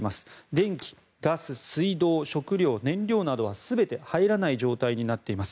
電気、ガス、水道、食料燃料などは全て入らない状況になっています。